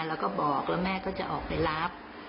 เราก็บอกละแม่ก็จะออกไปรับ